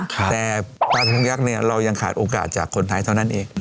ค่ะแต่ปลากระพงยักษ์เนี้ยเรายังขาดโอกาสจากคนไหนเท่านั้นเอง